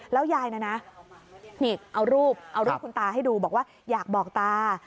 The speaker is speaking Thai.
แล้วยายนอนนะเอารูปคุณตาให้ดูบอกว่าอยากบอกตา